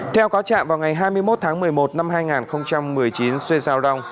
theo cáo trạm vào ngày hai mươi một tháng một mươi một năm hai nghìn một mươi chín xoay rau rong